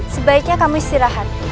sebaiknya kamu istirahat